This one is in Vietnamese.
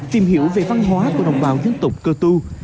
tìm hiểu về văn hóa của đồng bào dân tộc cơ tu